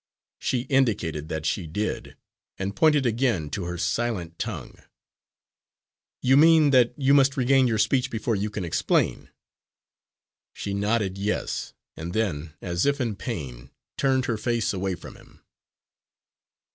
She indicated that she did, and pointed again to her silent tongue. "You mean that you must regain your speech before you can explain?" She nodded yes, and then, as if in pain, turned her face away from him.